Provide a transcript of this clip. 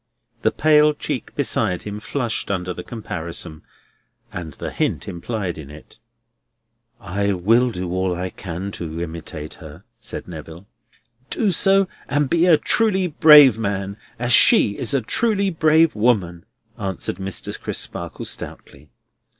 The pale cheek beside him flushed under the comparison, and the hint implied in it. "I will do all I can to imitate her," said Neville. "Do so, and be a truly brave man, as she is a truly brave woman," answered Mr. Crisparkle stoutly.